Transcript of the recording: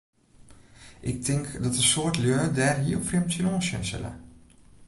Ik tink dat in soad lju dêr hiel frjemd tsjinoan sjen sille.